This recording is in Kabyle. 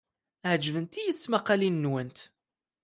Ɛejbent-iyi tesmaqqalin-nwent.